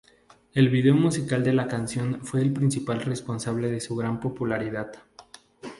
El video musical de la canción fue el principal responsable de su gran popularidad.